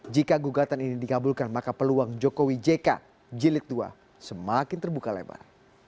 jika gugatan ini dikabulkan maka peluang jokowi jk jilid dua semakin terbuka lebar